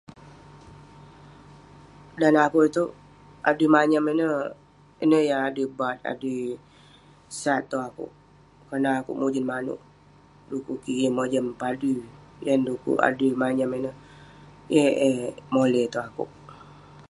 Dan neh akouk itouk, adui manyam ineh, ineh yah adui baat, adui sat tong akouk. Kerana akouk mujen manouk, dekuk kik yeng mojam padui. Yan dekuk adui manyam ineh, yeng eh moley tong akouk.